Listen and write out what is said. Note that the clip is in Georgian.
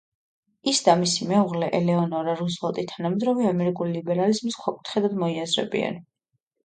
ის და მისი მეუღლე ელეონორა რუზველტი თანამედროვე ამერიკული ლიბერალიზმის ქვაკუთხედად მოიაზრებიან.